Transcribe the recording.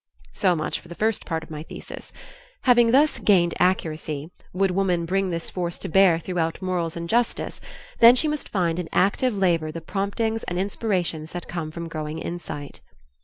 So much for the first part of the thesis. Having thus "gained accuracy, would woman bring this force to bear throughout morals and justice, then she must find in active labor the promptings and inspirations that come from growing insight."